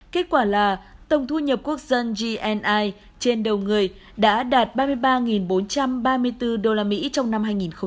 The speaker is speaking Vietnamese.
kết quả là tổng thu nhập quốc dân gni trên đầu người đã đạt ba mươi ba bốn trăm ba mươi bốn usd trong năm hai nghìn một mươi chín